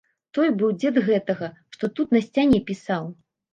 Той быў дзед гэтага, што тут на сцяне пісаў.